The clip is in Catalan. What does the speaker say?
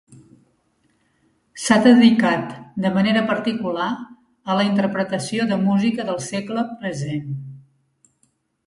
S'ha dedicat de manera particular a la interpretació de música del segle present.